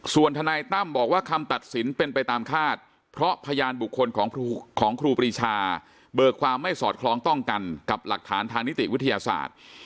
ส่วนทนายตั้มบอกว่าคำตัดสินเป็นไปตามคาดเพราะพยานบุคคลของครูปรีชาเบิกความไม่สอดคล้องต้องกันกับหลักฐานทางนิติวิทยาศาสตร์